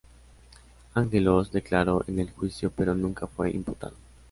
Angeloz declaró en el juicio pero nunca fue imputado.